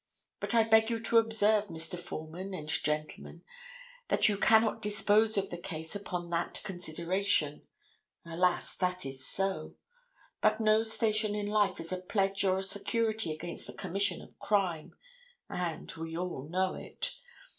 But I beg you to observe, Mr. Foreman and gentlemen, that you cannot dispose of the case upon that consideration. Alas, that it is so! But no station in life is a pledge or a security against the commission of crime, and we all know it.